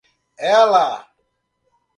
Ela!